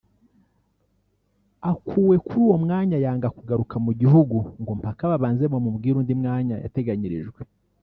Akuwe kuri uwo mwanya yanga kugaruka mu gihugu ngo mpaka babanze bamubwire undi mwanya yateganyirijwe